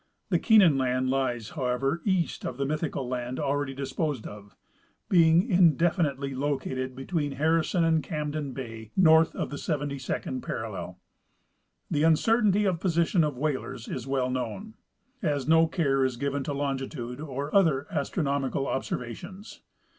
The Keenan land lies, however, somewhat east of the myth ical land already disposed of, being indefinitely located between Harrison and Camden bay, north of the 72d parallel. The uncertainty of position of whalers is well known, as no care is given to longitude or other astronomical observations.